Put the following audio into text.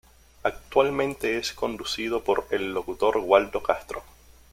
Actualmente es conducido por el locutor Waldo Castro.